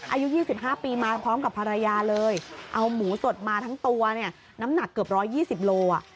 อายุ๒๕ปีมาพร้อมกับภรรยาเลยเอาหมูสดมาทั้งตัวเนี่ยน้ำหนักเกือบ๑๒๐โลอ่ะ